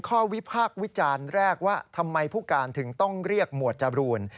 วิพากษ์วิจารณ์แรกว่าทำไมผู้การถึงต้องเรียกหมวดจบรูน